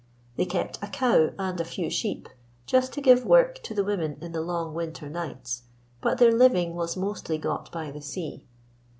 They kept a cow and a few sheep, just to give work to the women in the long winter nights, but their living was mostly got by the sea.